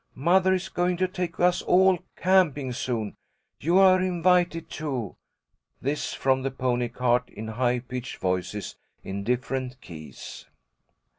... "Mother is going to take us all camping soon. You are invited, too." This from the pony cart in high pitched voices in different keys.